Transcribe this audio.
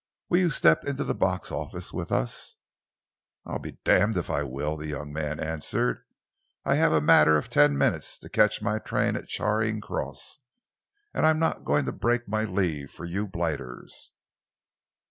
Will you step into the box office with us?" "I'm damned if I will!" the young man answered. "I have a matter of ten minutes to catch my train at Charing Cross, and I'm not going to break my leave for you blighters."